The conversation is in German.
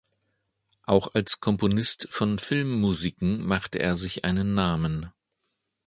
Auch als Komponist von Filmmusiken machte er sich einen Namen.